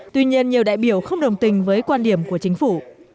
tuy nhiên nhiều đại biểu không đồng tình với quan điểm của chính phủ